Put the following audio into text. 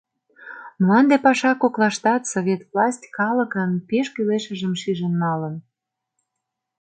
Мланде паша коклаштат совет власть калыкын пеш кӱлешыжым шижын налын.